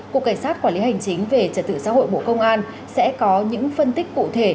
cục cảnh sát quản lý hành chính về trật tự xã hội bộ công an sẽ có những phân tích cụ thể